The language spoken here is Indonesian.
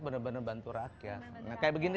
bener bener bantu rakyat kayak begini